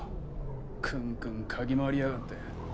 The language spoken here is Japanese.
クンクン嗅ぎ回りやがって。